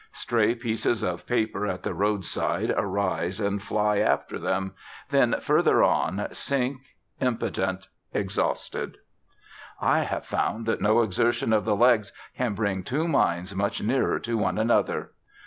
Stray pieces of paper at the roadside arise and fly after them, then, further on, sink impotent, exhausted. "I have found that no exertion of the legs can bring two minds much nearer to one another!"